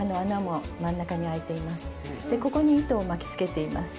ここに糸を巻きつけています。